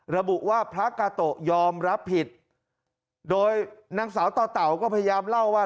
ระบุว่าพระกาโตะยอมรับผิดโดยนางสาวต่อเต่าก็พยายามเล่าว่า